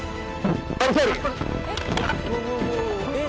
えっ？